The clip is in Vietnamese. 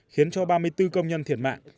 khiến cho ba mươi bốn công nhân thiệt mạng